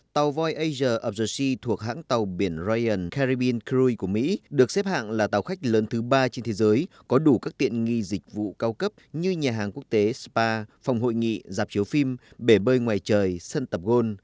tàu voyager of the sea thuộc hãng tàu biển ryan caribbean crew của mỹ được xếp hạng là tàu khách lớn thứ ba trên thế giới có đủ các tiện nghi dịch vụ cao cấp như nhà hàng quốc tế spa phòng hội nghị dạp chiếu phim bể bơi ngoài trời sân tập gôn